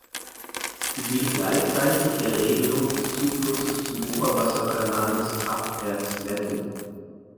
Sie dient gleichzeitig der Regelung des Zuflusses zum Oberwasserkanal des Kraftwerks Letten.